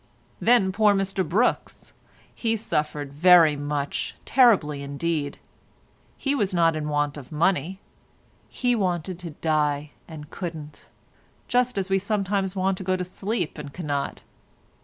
Then poor Mr Brookes—he suffered very much, terribly indeed; he was not in want of money; he wanted to die and couldn't, just as we sometimes want to go to sleep and cannot.